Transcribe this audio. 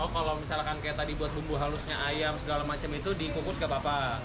kalau misalkan kayak tadi buat bumbu halusnya ayam segala macam itu dikukus gak apa apa